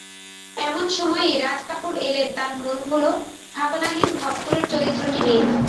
এমন সময়েই রাজ কাপুর এলেন তার মনভুলো, ভাবনাহীন ভবঘুরের চরিত্রটি নিয়ে।